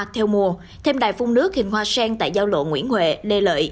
theo mùa thêm đài phun nước hình hoa sen tại giao lộ nguyễn huệ lê lợi